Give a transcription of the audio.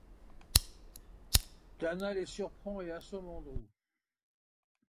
Dana les surprend et assomme Andrew.